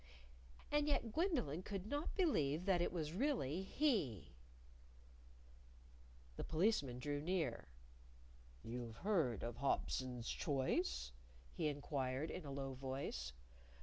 And yet Gwendolyn could not believe that it was really he. The Policeman drew near. "You've heard of Hobson's choice?" he inquired in a low voice.